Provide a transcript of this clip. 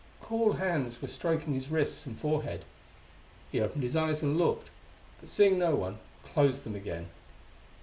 Cool hands were stroking his wrists and forehead. He opened his eyes and looked, but seeing no one closed them again.